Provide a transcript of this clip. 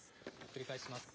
繰り返します。